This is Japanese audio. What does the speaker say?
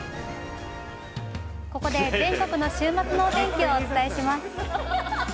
◆ここで全国の週末のお天気をお伝えします。